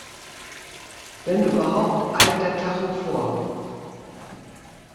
Wenn überhaupt, eilt der Tacho vor.